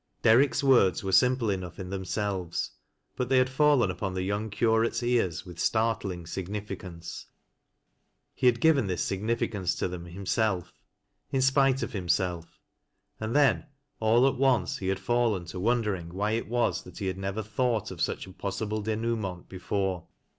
Derrick's words were simple enough in tiiemselves, but they had fallen up&n the young Curate's ears with startling significance. He had given this signi ficance to tliRin himself, — in spite of himself, — and then a\l at once he had fallen to wondering why it was that U* JOAN AND TRW PIOTUBB. 97 had never thought of such a p(/ssible denouement before.